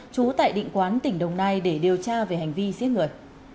trú tại định quán tỉnh đồng nai để điều tra về hành vi giết người